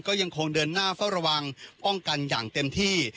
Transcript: ก็ยังคงเดินหน้าเฝ้าระวังป้องกันอย่างเต็มที่